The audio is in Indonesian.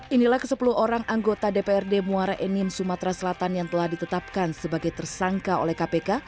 inilah ke sepuluh orang anggota dprd muara enim sumatera selatan yang telah ditetapkan sebagai tersangka oleh kpk